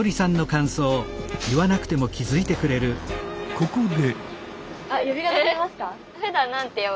ここで。